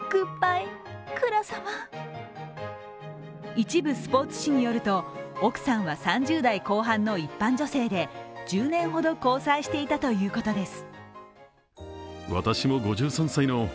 一部スポーツ紙によると奥さんは３０代後半の一般女性で１０年ほど交際していたということです。